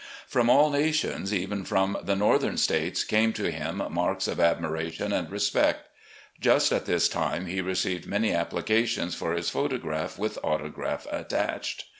From all nations, even from the Northern States, came to him marks of admiration and respect. Just at this time he received many applications for his photograph with autograph attached.